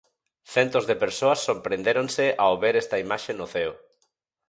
Centos de persoas sorprendéronse ao ver esta imaxe no ceo.